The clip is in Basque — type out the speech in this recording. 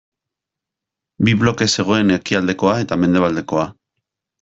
Bi bloke zegoen ekialdekoa eta mendebaldekoa.